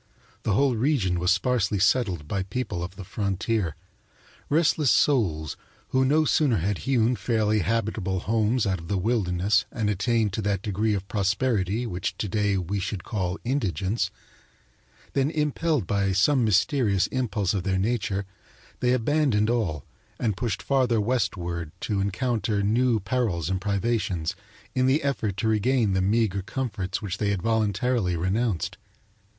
The whole region was sparsely settled by people of the frontier restless souls who no sooner had hewn fairly habitable homes out of the wilderness and attained to that degree of prosperity which to day we should call indigence than impelled by some mysterious impulse of their nature they abandoned all and pushed farther westward, to encounter new perils and privations in the effort to regain the meagre comforts which they had voluntarily renounced.